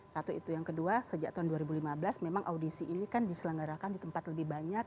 satu itu yang kedua sejak tahun dua ribu lima belas memang audisi ini kan diselenggarakan di tempat lebih banyak